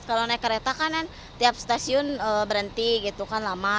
kalau naik kereta kan tiap stasiun berhenti gitu kan lama